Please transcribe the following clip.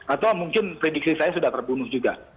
atau mungkin prediksi saya sudah terbunuh juga